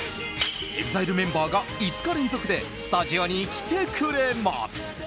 ＥＸＩＬＥメンバーが５日連続でスタジオに来てくれます！